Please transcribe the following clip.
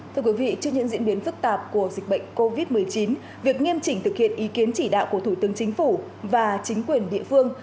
thưa quý vị trước những diễn biến phức tạp của dịch bệnh covid một mươi chín việc nghiêm chỉnh thực hiện ý kiến chỉ đạo của thủ tướng chính phủ và chính quyền địa phương